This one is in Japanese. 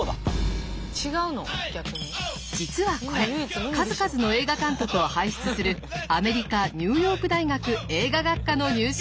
実はこれ数々の映画監督を輩出するアメリカニューヨーク大学映画学科の入試問題。